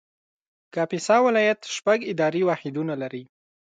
کاپیسا ولایت شپږ اداري واحدونه لري